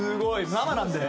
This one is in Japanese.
生なので。